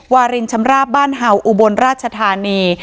วารินชำราบบ้านเห่าอุบลราชธานี